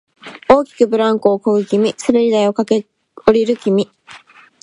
大きくブランコをこぐ君、滑り台を駆け下りる君、